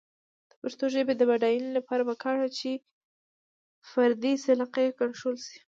د پښتو ژبې د بډاینې لپاره پکار ده چې فردي سلیقې کنټرول شي.